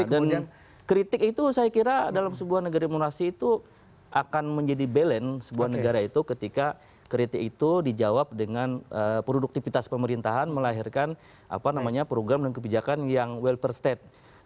dan kritik itu saya kira dalam sebuah negara imunasi itu akan menjadi balance sebuah negara itu ketika kritik itu dijawab dengan produktivitas pemerintahan melahirkan apa namanya program dan kebijakan yang well prested